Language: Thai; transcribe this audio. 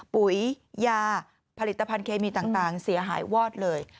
ปุ๋ยยาผลิตภัณฑ์เคมีต่างเสียหายวอดเลย